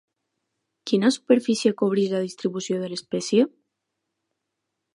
Quina superfície cobreix la distribució de l'espècie?